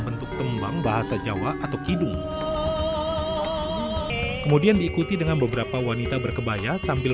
bentuk tembang bahasa jawa atau kidung kemudian diikuti dengan beberapa wanita berkebaya sambil